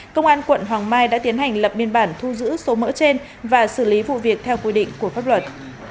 công an quận hoàng mai đã tiến hành lập biên bản thu giữ số mỡ trên và xử lý vụ việc theo quy định của pháp luật